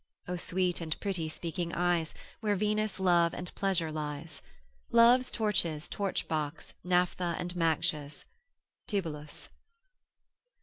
O sweet and pretty speaking eyes, Where Venus, love, and pleasure lies. Love's torches, touch box, naphtha and matches, Tibullus.